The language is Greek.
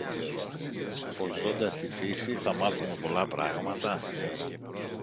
πως ζώντας στη φύση θα μάθομε πολλά πράματα;